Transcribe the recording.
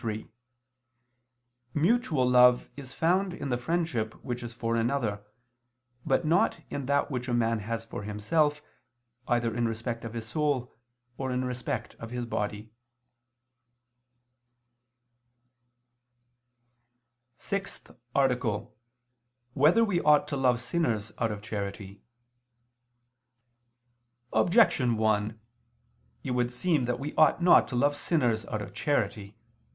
3: Mutual love is found in the friendship which is for another, but not in that which a man has for himself, either in respect of his soul, or in respect of his body. _______________________ SIXTH ARTICLE [II II, Q. 25, Art. 6] Whether We Ought to Love Sinners Out of Charity? Objection 1: It would seem that we ought not to love sinners out of charity.